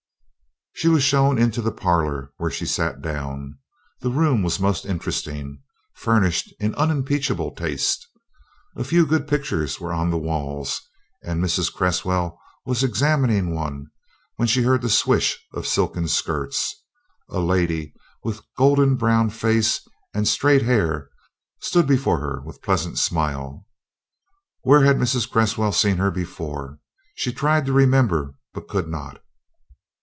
She was shown into the parlor, where she sat down. The room was most interesting, furnished in unimpeachable taste. A few good pictures were on the walls, and Mrs. Cresswell was examining one when she heard the swish of silken skirts. A lady with gold brown face and straight hair stood before her with pleasant smile. Where had Mrs. Cresswell seen her before? She tried to remember, but could not.